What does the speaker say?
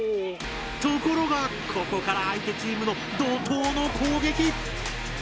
ところがここから相手チームの怒濤の攻撃。